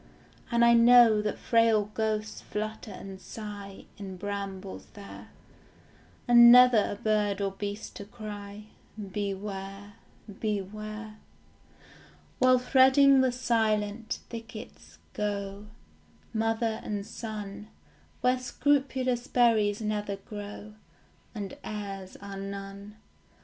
And I know that frail ghosts flutter and sigh In brambles there, And never a bird or beast to cry Beware, beware, While threading the silent thickets go Mother and son, Where scrupulous berries never grow, And airs are none.